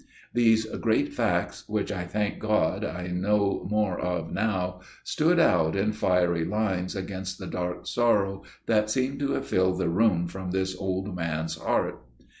These great facts, which I thank God I know more of now, stood out in fiery lines against the dark sorrow that seemed to have filled the room from this old man's heart.